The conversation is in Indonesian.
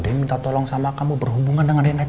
dia yang minta tolong sama kamu berhubungan dengan reina